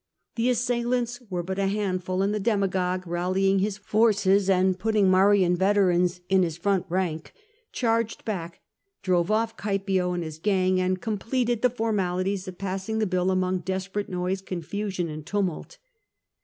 The assailants were but a handful, and the demagogue, rallying his forces and putting Marian veterans in his front rank, charged back, drove off Oaepio and his gang, and completed the formalities of passing the bill among desperate noise, confusion, and tumult.